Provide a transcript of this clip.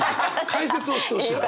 解説をしてほしいのよ。